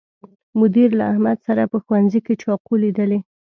مدیر له احمد سره په ښوونځي کې چاقو لیدلی